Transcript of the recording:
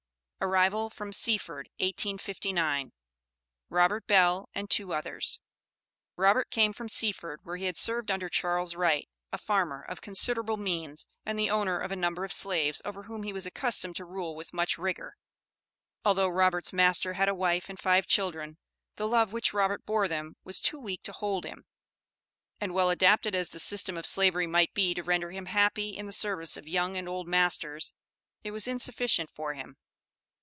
ARRIVAL FROM SEAFORD, 1859. ROBERT BELL AND TWO OTHERS. Robert came from Seaford, where he had served under Charles Wright, a farmer, of considerable means, and the owner of a number of slaves, over whom he was accustomed to rule with much rigor. Although Robert's master had a wife and five children, the love which Robert bore them was too weak to hold him; and well adapted as the system of Slavery might be to render him happy in the service of young and old masters, it was insufficient for him.